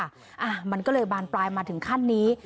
อ่ะมันก็เลยบานปลายมาถึงขั้นนี้